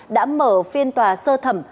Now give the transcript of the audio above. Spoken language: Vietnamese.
đã mở phiên tòa sơ thẩm